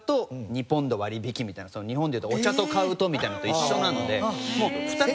日本でいうとお茶と買うとみたいなのと一緒なので。